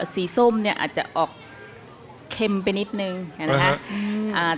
สีส้มเนี่ยอาจจะออกเค็มไปนิดนึงเห็นป่ะฮะ